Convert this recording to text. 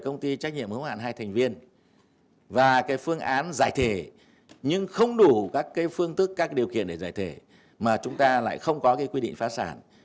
nhưng không đủ các phương tức các điều kiện để giải thể mà chúng ta lại không có quy định phá sản